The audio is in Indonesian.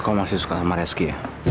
kau masih suka sama reski